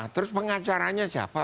terus pengacaranya siapa